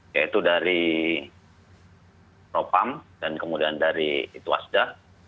yaitu dari propam dan kemudian dari ituasda